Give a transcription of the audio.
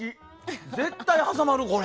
絶対挟まる、これ。